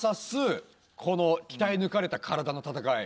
この鍛えぬかれた体の戦い